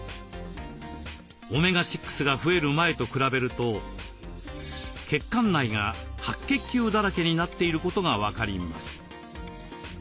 オメガ６が増える前と比べると血管内が白血球だらけになっていることが分かります。